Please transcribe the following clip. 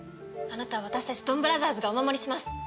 あなたは私たちドンブラザーズがお守りします。